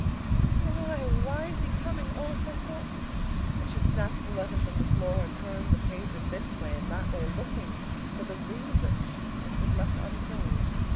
"But why? Why is he coming? Oh, if I thought—" and she snatched the letter from the floor and turned the pages this way and that way, looking for the reason, which was left untold.